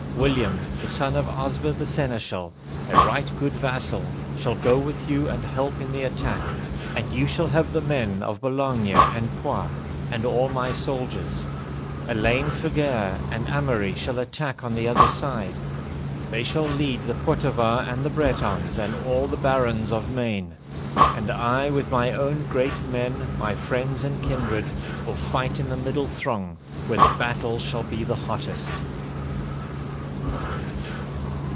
William, the son of Osber the seneschal, a right good vassal, shall go with you and help in the attack, and you shall have the men of Boulogne and Poix, and all my soldiers. Alain Fergert and Ameri shall attack on the other side; they shall lead the Poitevins and the Bretons, and all the Barons of Maine; and I, with my own great men, my friends and kindred, will fight in the middle throng, where the battle shall be the hottest.'